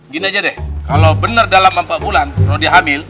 gini aja deh kalo bener dalam empat bulan kalo dia hamil